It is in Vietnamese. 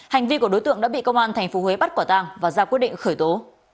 hành vi của đối tượng đã bị công an tp huế bắt quả tàng và ra quyết định khởi tố